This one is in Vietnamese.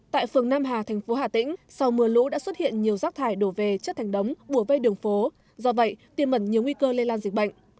tại phường nam hà thành phố hà tĩnh sau mưa lũ đã xuất hiện nhiều rác thải đổ về chất thành đống bùa vây đường phố do vậy tiêm mẩn nhiều nguy cơ lây lan dịch bệnh